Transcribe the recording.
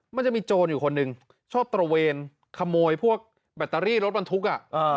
มันจะมีโจรอยู่คนหนึ่งชอบตระเวนขโมยพวกแบตเตอรี่รถบรรทุกอ่ะ